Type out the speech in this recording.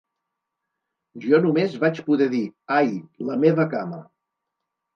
Jo només vaig poder dir: Ai, la meva cama!